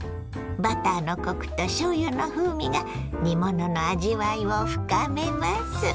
バターのコクとしょうゆの風味が煮物の味わいを深めます。